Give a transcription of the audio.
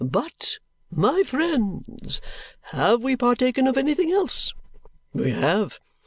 But, my friends, have we partaken of anything else? We have.